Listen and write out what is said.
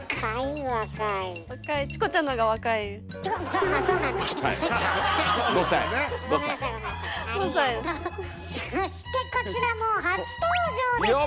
そしてこちらも初登場です！